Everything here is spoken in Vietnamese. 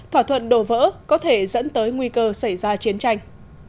thỏa thuận đổ vỡ có thể dẫn tới nguy cơ xảy ra chiến tranh